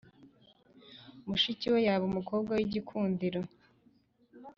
mushiki we yaba umukobwa wigikundiro